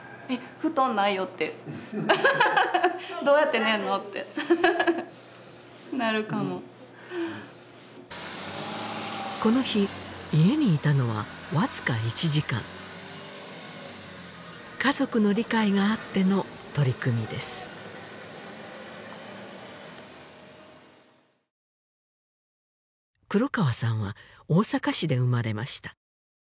布団ないよってアハハハハッどうやって寝んのってなるかもこの日家にいたのはわずか１時間家族の理解があっての取り組みです黒川さんは大阪市で生まれました